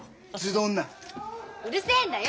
うるせえんだよ！